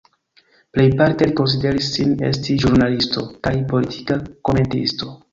Plejparte li konsideris sin esti ĵurnalisto kaj politika komentisto.